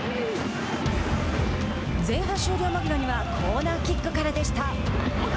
前半終了間際にはコーナーキックからでした。